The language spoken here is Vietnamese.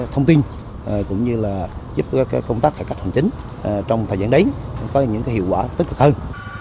thông tin cũng như là giúp công tác cải cách hành chính trong thời gian đến có những hiệu quả tích cực hơn